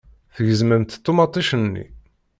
Tgezmemt ṭumaṭic-nni.